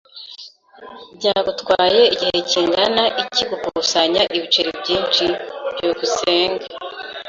Byagutwaye igihe kingana iki gukusanya ibiceri byinshi? byukusenge